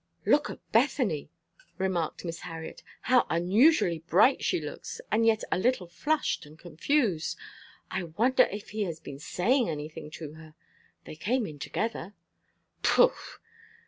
"Look at Bethany," remarked Miss Harriet. "How unusually bright she looks, and yet a little flushed and confused. I wonder if he has been saying anything to her. They came in together." "Pooh!"